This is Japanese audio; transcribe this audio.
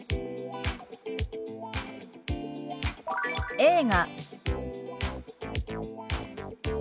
「映画」。